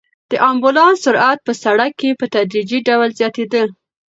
د امبولانس سرعت په سړک کې په تدریجي ډول زیاتېده.